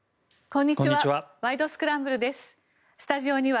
こんにちは。